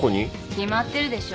決まってるでしょ